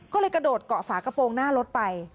ก็เลยกระโดดเกาะฝากระโปรงหน้ารถไป